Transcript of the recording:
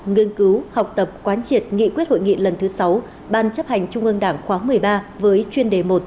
nghiên cứu học tập quán triệt nghị quyết hội nghị lần thứ sáu ban chấp hành trung ương đảng khóa một mươi ba với chuyên đề một